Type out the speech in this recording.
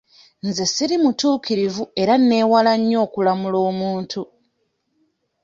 Nze siri mutuukirivu era neewala nnyo okulamula omuntu.